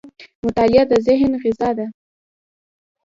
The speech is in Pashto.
• مطالعه د ذهن غذا ده.